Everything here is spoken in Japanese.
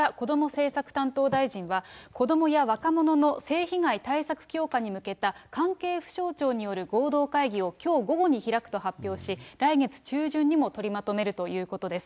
政策担当大臣は、子どもや若者の性被害対策強化に向けた、関係府省庁による合同会議をきょう午後に開くと発表し、来月中旬にも取りまとめるということです。